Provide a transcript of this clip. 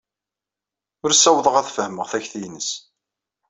Ur ssawḍeɣ ad fehmeɣ takti-nnes.